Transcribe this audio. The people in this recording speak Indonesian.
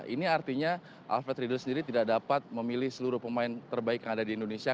ini artinya alfred riedel sendiri tidak dapat memilih seluruh pemain terbaik yang ada di indonesia